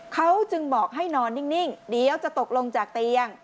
เขาจึงบอกให้นอนนิ่งเดี๋ยวจะตกลงจากเตียง